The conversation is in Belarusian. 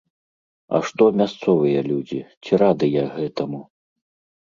А што мясцовыя людзі, ці радыя гэтаму?